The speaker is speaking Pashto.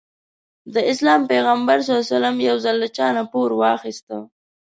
د اسلام پيغمبر ص يو ځل له چانه پور واخيسته.